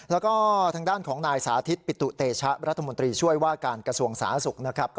แล้วก็ทางด้านของนายสาธิตปิตุเตชะรัฐมนตรีช่วยว่าการกระทรวงสาธารณสุขนะครับ